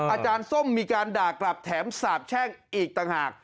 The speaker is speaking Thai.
ส้มมีการด่ากลับแถมสาบแช่งอีกต่างหาก